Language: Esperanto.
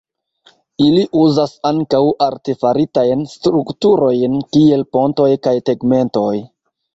Ili uzas ankaŭ artefaritajn strukturojn kiel pontoj kaj tegmentoj.